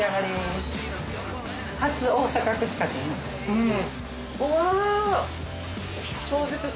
うん。